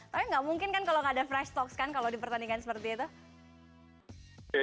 tapi gak mungkin kan kalau gak ada fresh talk kan kalau di pertandingan seperti itu